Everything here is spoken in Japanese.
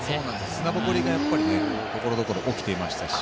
砂ぼこりがところどころ起きてましたし。